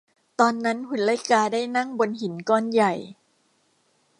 ตอนนั้นหุ่นไล่กาได้นั่งบนหินก้อนใหญ่